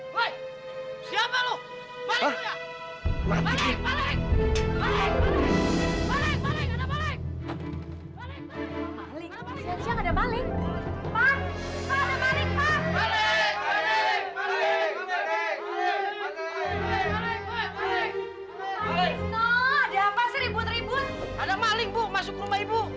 woy siapa lu